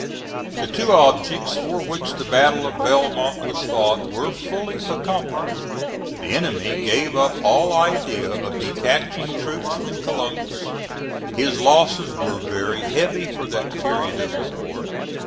The two objects for which the battle of Belmont was fought were fully accomplished. The enemy gave up all idea of detaching troops from Columbus. His losses were very heavy for that period of the war.